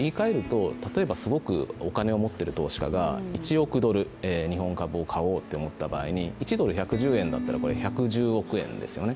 すごくお金を持っている投資家が１億ドル日本株を買おうと思った場合、１ドル１１０円だったら１１０億円ですよね。